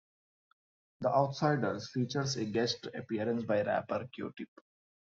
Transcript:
"The Outsiders" features a guest appearance by rapper Q-Tip.